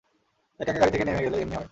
একা একা গাড়ি থেকে নেমে গেলে এমনি হয়।